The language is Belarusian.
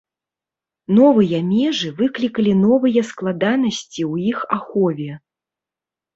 Новыя межы выклікалі новыя складанасці ў іх ахове.